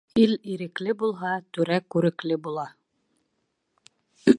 Ил ирекле булһа, түрә күрекле була.